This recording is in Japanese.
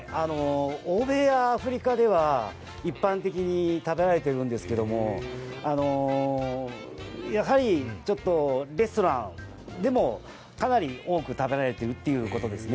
欧米やアフリカでは一般的に食べられているんですけれども、ちょっとレストランでもかなり多く食べられているということですね。